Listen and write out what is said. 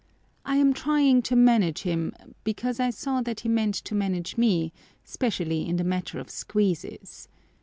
I am trying to manage him, because I saw that he meant to manage me, specially in the matter of "squeezes."